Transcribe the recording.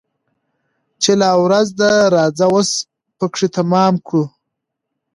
چي لا ورځ ده راځه وس پكښي تمام كړو